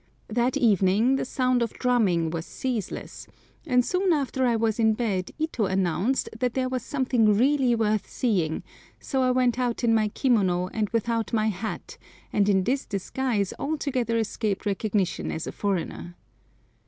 That evening the sound of drumming was ceaseless, and soon after I was in bed Ito announced that there was something really worth seeing, so I went out in my kimono and without my hat, and in this disguise altogether escaped recognition as a foreigner.